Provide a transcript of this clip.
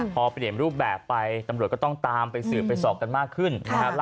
พอเป็นเห็นรูปแบบไปตำรวจก็ต้องตามไปสื่อไปสอกกันมากขึ้น